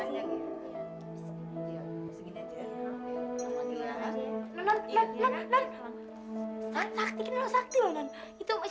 sakti kenapa sakti loh nont